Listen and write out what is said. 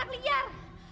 gak asal anak liar